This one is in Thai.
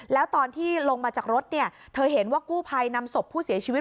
แล้วตอนที่ลงมาจากรถเนี่ยเธอเห็นว่ากู้ภัยนำศพผู้เสียชีวิต